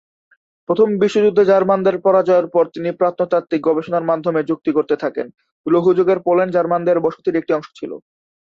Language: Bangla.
প্রথম বিশ্বযুদ্ধে জার্মানদের পরাজয়ের পর তিনি প্রত্নতাত্ত্বিক গবেষণার মাধ্যমে যুক্তি করতে থাকেন, লৌহ যুগে পোল্যান্ড জার্মানদের বসতির একটি অংশ ছিল।